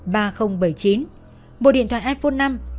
bộ điện thoại iphone năm